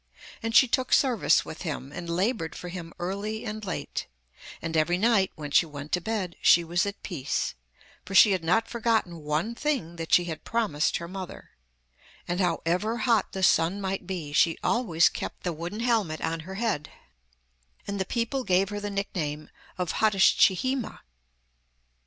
And she took service with him and laboured for him early and late, and every night when she went to bed she was at peace, for she had not forgotten one thing that she had promised her mother; and, however hot the sun might be, she always kept the wooden helmet on her head, and the people gave her the nickname of Hatschihime.